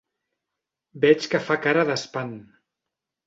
Veig que fa cara d'espant.